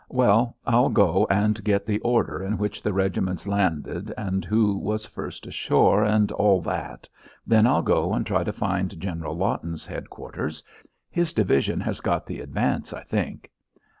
"Well, I'll go and get the order in which the regiments landed, and who was first ashore, and all that. Then I'll go and try to find General Lawton's headquarters. His division has got the advance, I think."